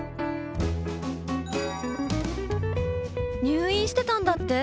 入院してたんだって？